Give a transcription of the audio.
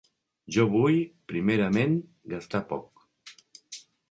Jo vull... primerament, gastar poc